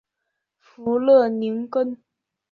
弗勒宁根。